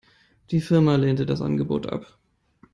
Die Firma lehnte das Angebot ab.